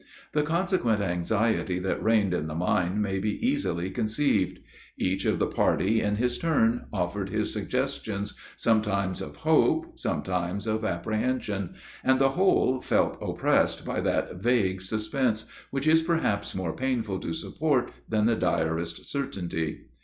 The consequent anxiety that reigned in the mine may be easily conceived. Each of the party, in his turn, offered his suggestions, sometimes of hope, sometimes of apprehension; and the whole felt oppressed by that vague suspense, which is, perhaps, more painful to support than the direst certainty.